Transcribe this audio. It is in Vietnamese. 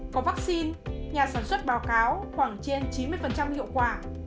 có vắc xin nhà sản xuất báo cáo khoảng trên chín mươi hiệu quả